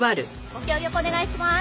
ご協力お願いします。